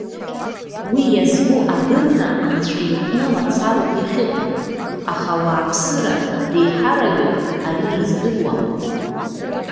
Уи иазку адырра Анцәа иҟны мацароуп иахьыҟоу, аха ауааԥсыра реиҳараҩык ари рыздыруам.